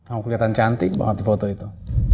aku kelihatan cantik banget di foto itu